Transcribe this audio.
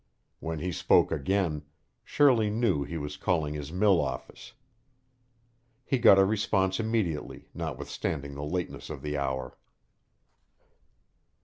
When he spoke again, Shirley knew he was calling his mill office. He got a response immediately, notwithstanding the lateness of the hour.